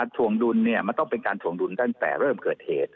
ถวงดุลมันต้องเป็นการถวงดุลตั้งแต่เริ่มเกิดเหตุ